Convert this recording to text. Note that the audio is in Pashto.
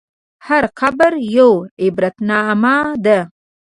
هر قبر یوه عبرتنامه ده.